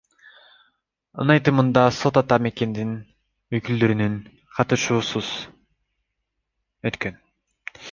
Анын айтымында, сот Ата Мекендин өкүлдөрүнүн катышуусусуз өткөн.